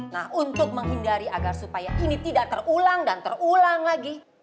nah untuk menghindari agar supaya ini tidak terulang dan terulang lagi